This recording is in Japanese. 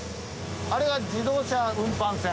あれが自動車運搬船。